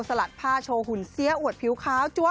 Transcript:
ลัดผ้าโชว์หุ่นเสียอวดผิวขาวจัว